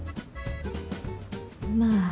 まあ。